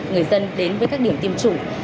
người dân đến với các điểm tiêm chủng